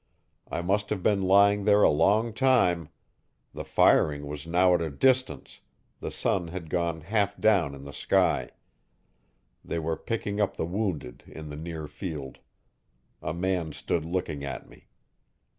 I must have been lying there a long time. The firing was now at a distance: the sun had gone half down the sky. They were picking up the wounded in the near field. A man stood looking at me.